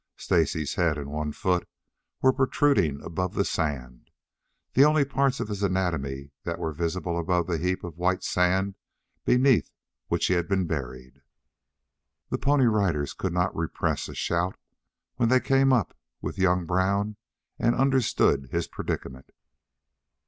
Stacy's head and one foot were protruding above the sand, the only parts of his anatomy that were visible above the heap of white sand beneath which he had been buried. The Pony Riders could not repress a shout when they came up with young Brown and understood his predicament.